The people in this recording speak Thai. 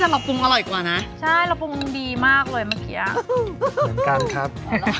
มาปรุงอร่อยกว่านะใช่เราปรุงดีมากเลยเมื่อกี้เหมือนกันครับ